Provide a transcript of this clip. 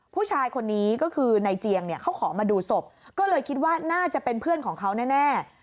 ผู้ชายคนนี้ก็คือนายเจียงเนี่ยเขาขอมาดูศพก็เลยคิดว่าน่าจะเป็นเพื่อนของเขาแน่